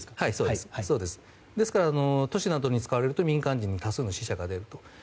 ですから都市などに使われると多数の死者が出ると。